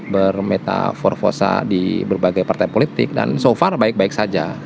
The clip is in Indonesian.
bermeta for fossa di berbagai partai politik dan so far baik baik saja